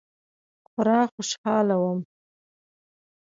خورا خوشحاله وم.